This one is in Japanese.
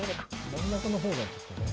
真ん中の方がちょっとね。